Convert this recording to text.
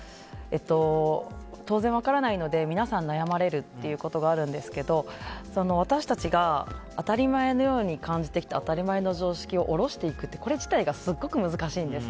当然分からないので、皆さん悩まれることはあるんですが私たちが当たり前のように感じてきた当たり前の常識を下ろしてくってこれ自体がすごく難しいんです。